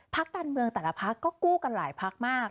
ภาคการเมืองแต่ละภาคก็กู้กันหลายภาคมาก